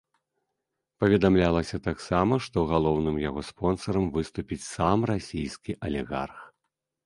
Паведамлялася таксама, што галоўным яго спонсарам выступіць сам расійскі алігарх.